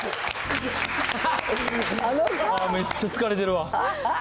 めっちゃ疲れてるわ。